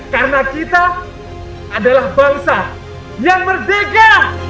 ini merupakan tanda menjadi negara yang merdeka